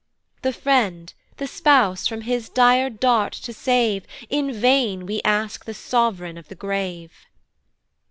The friend, the spouse from his dire dart to save, In vain we ask the sovereign of the grave.